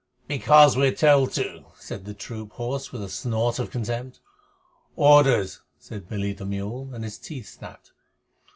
"Because we're told to," said the troop horse, with a snort of contempt. "Orders," said Billy the mule, and his teeth snapped.